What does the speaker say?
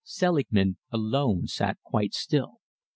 Selingman alone sat quite still.